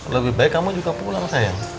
lebih baik kamu juga pulang sayang